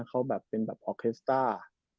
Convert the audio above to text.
เขาแบบเป็นแบบออเคสต้า